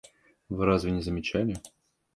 Вы разве не замечали?